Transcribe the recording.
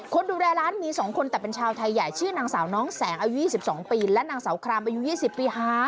คนดูแลร้านมี๒คนแต่เป็นชาวไทยใหญ่ชื่อนางสาวน้องแสงอายุ๒๒ปีและนางสาวครามอายุ๒๐ปี๕